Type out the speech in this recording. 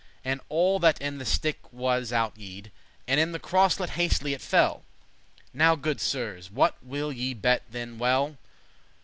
And all that in the sticke was out yede,* *went And in the croslet hastily* it fell. *quickly Now, goode Sirs, what will ye bet* than well?